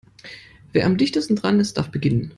Wer am dichtesten dran ist, darf beginnen.